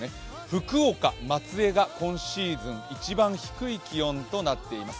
福岡、松江が今シーズン一番低い気温となっています。